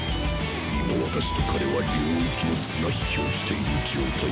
今私と彼は領域の綱引きをしている状態。